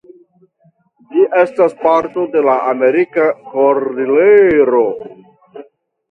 Ĝi estas parto de la Amerika Kordilero.